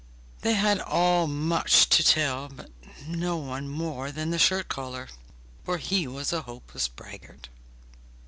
They had all much to tell, but no one more than the shirt collar, for he was a hopeless braggart.